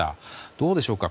どうでしょうか